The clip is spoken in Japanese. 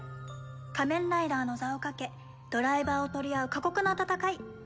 仮面ライダーの座をかけドライバーを取り合う過酷な戦い。